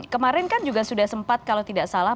kemarin kan juga sudah sempat kalau tidak salah